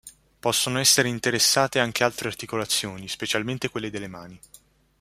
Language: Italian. Possono essere interessate anche altre articolazioni, specialmente quelle delle mani.